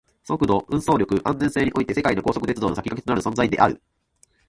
速度、輸送力、安全性において世界の高速鉄道の先駆けとなる存在である